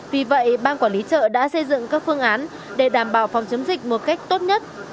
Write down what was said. vì vậy ban quản lý chợ đã xây dựng các phương án để đảm bảo phòng chống dịch một cách tốt nhất